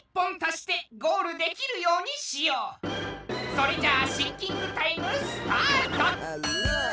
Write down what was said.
それじゃあシンキングタイムスタート！